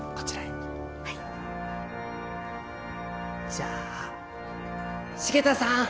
じゃあ繁田さん！